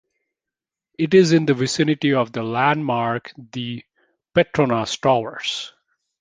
It is in the vicinity of the landmark the Petronas Towers.